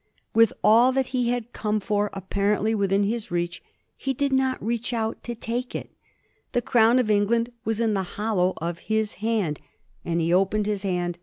With all that he had come for apparently within his reach, he did not reach out to take it; the crown of Eng land was in the hollow of his hand, and he opened his hand VOL.